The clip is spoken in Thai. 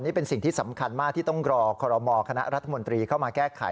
นี่เป็นสิ่งที่สำคัญมากที่ต้องรอคอรมอคณะรัฐมนตรีเข้ามาแก้ไข